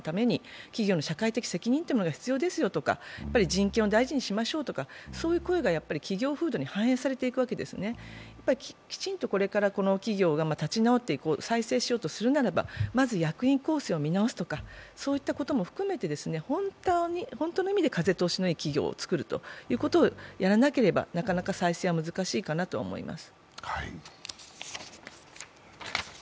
時代は利益至上主義じゃなくて、社会のために企業の社会的責任というものが必要ですよとか、人権を大事にしましょうとかそういったことが反映されているわけですね、きちんとこれからこの企業が立ち直っていこう再生しようとするならば、まず役員構成を見直すとか、そういったことも含めて本当の意味で風通しのいい企業をつくるということをやらなければなかなか再生は難しいと思います。